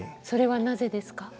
それはなぜですか？